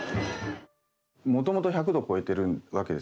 もともと１００度超えてるわけですね。